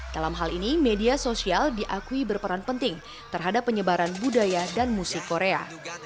dalam hal ini media sosial diakui berperan penting terhadap penyebaran budaya dan musik korea